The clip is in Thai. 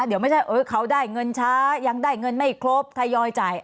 เดี๋ยวไม่ใช่เขาได้เงินช้ายังได้เงินไม่ครบทยอยจ่าย